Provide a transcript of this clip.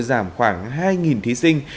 giảm khoảng hai thí sinh